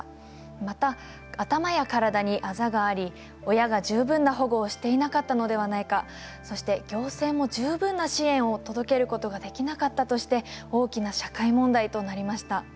また頭や体にあざがあり親が十分な保護をしていなかったのではないかそして行政も十分な支援を届けることができなかったとして大きな社会問題となりました。